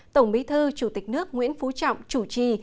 tổng bí thư chủ tịch nước nguyễn phú trọng chủ trì